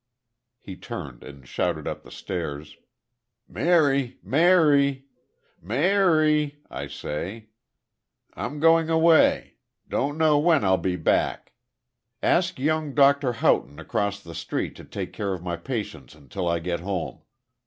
He turned, and shouted up the stairs: "Mary! Mary! Ma a a a ry, I say! I'm going away. Don't know when I'll be back. Ask young Dr. Houghton, across the street, to take care of my patients until I get home.